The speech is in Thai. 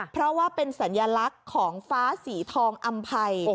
เพราะว่าเป็นสัญลักษณ์ของฟ้าสีทองอำภัย